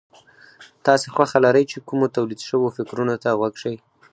تاسې خوښه لرئ چې کومو توليد شوو فکرونو ته غوږ شئ.